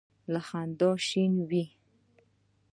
له خندا شین وي.